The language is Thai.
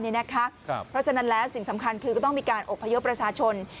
เพราะฉะนั้นแล้วสิ่งสำคัญคือก็ต้องมีการอบพยพประชาชน